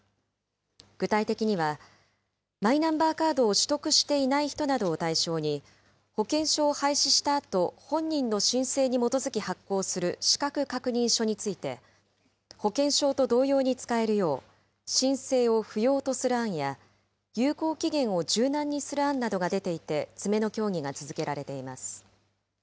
具体的には、マイナンバーカードを取得していない人などを対象に、保険証を廃止したあと、本人の申請に基づき発行する資格確認書について、保険証と同様に使えるよう、申請を不要とする案や、有効期限を柔軟にする案などが出ていて、詰めの協議が続けられています。